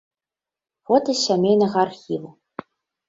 Фота з сямейнага архіву.